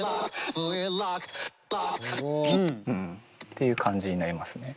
っていう感じになりますね。